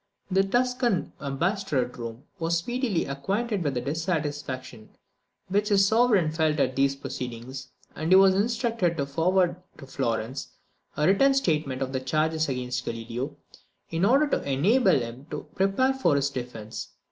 The Tuscan ambassador at Rome was speedily acquainted with the dissatisfaction which his Sovereign felt at these proceedings; and he was instructed to forward to Florence a written statement of the charges against Galileo, in order to enable him to prepare for his defence.